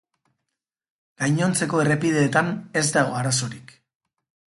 Gainontzeko errepideetan ez dago arazorik.